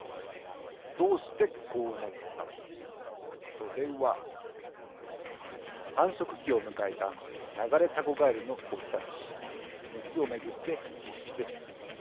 それははんしょくきをむかえたナガレタゴガエルのオスたちメスをめぐってひっしです。